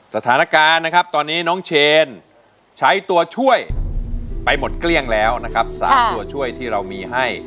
สถานการณ์นะครับตอนนี้น้องเชนใช้ตัวช่วยไปหมดเกลี้ยงแล้วนะครับ๓ตัวช่วยที่เรามีให้